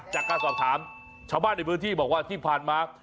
จากการสอบถามชาวบ้านในพื้นที่บอกว่าที่ผ่านมา